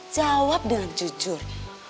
jawab dengan jujur